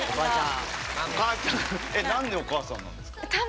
何でお母さんなんですか？